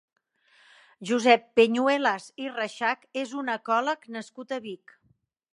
Josep Peñuelas i Reixach és un ecòleg nascut a Vic.